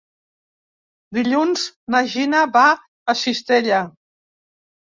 Dilluns na Gina va a Cistella.